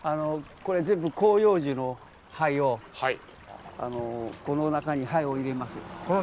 これ全部広葉樹の灰をこの中に灰を入れます。